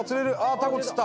タコ釣った！